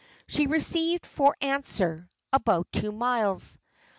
She received for answer, "about two miles."